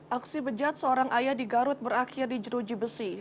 aksi bejat seorang ayah di garut berakhir di jeruji besi